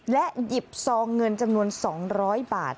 หยิบซองเงินจำนวน๒๐๐บาท